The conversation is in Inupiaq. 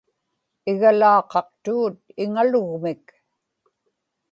igalaaqaqtugut iŋalugmik